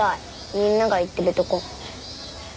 みんなが行ってるとこ。